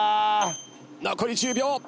残り１０秒。